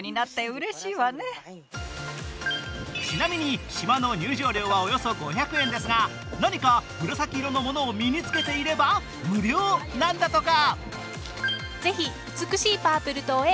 ちなみに島の入場料はおよそ５００円ですが、何か紫色のものを身に着けていれば無料なんだとか。